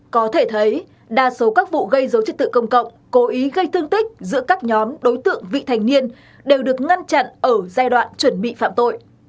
có thể thấy đa số các vụ gây dối trật tự công cộng cố ý gây thương tích giữa các nhóm đối tượng vị thành niên đều được ngăn chặn ở giai đoạn chuẩn bị phạm tội